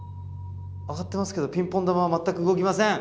上がってますけどピンポン球は全く動きません。